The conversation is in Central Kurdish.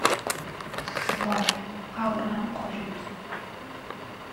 دوو هەزار دیناری دایە و قەرار بوو هەتیو بچێ